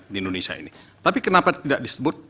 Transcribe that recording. di indonesia ini tapi kenapa tidak disebut